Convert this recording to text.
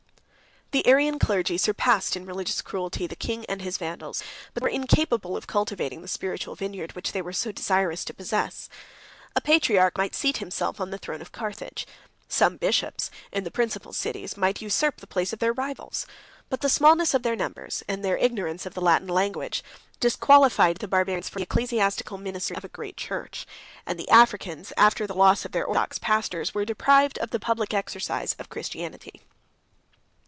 The Arian clergy surpassed in religious cruelty the king and his Vandals; but they were incapable of cultivating the spiritual vineyard, which they were so desirous to possess. A patriarch 107 might seat himself on the throne of Carthage; some bishops, in the principal cities, might usurp the place of their rivals; but the smallness of their numbers, and their ignorance of the Latin language, 108 disqualified the Barbarians for the ecclesiastical ministry of a great church; and the Africans, after the loss of their orthodox pastors, were deprived of the public exercise of Christianity.